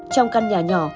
trong căn nhà nhỏ